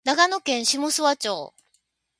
長野県下諏訪町